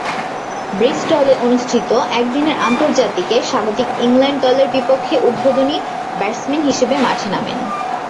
ব্রিস্টলে অনুষ্ঠিত একদিনের আন্তর্জাতিকে স্বাগতিক ইংল্যান্ড দলের বিপক্ষে উদ্বোধনী ব্যাটসম্যান হিসেবে মাঠে নামেন।